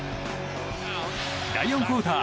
第４クオーター。